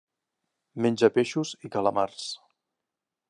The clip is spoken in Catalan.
Menja peixos i calamars.